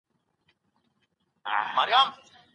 په کنايي الفاظو کي د حالاتو قرينې اعتبار لري.